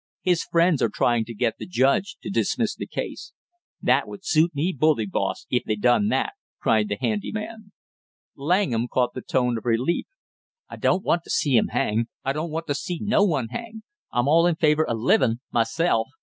His friends are trying to get the judge to dismiss the case." "That would suit me bully, boss, if they done that!" cried the handy man. Langham caught the tone of relief. "I don't want to see him hang; I don't want to see no one hang, I'm all in favor of livin', myself.